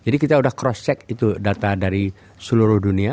jadi kita sudah cross check itu data dari seluruh dunia